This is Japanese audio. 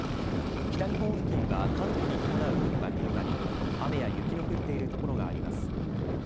北日本付近は寒気に伴う雲が広がり雨や雪の降っている所があります。